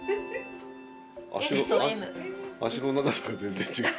脚の長さが全然違う。